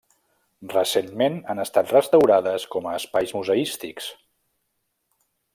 Recentment han estat restaurades com a espais museístics.